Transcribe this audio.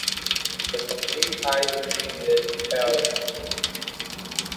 The complete eye-ring is pale bluish.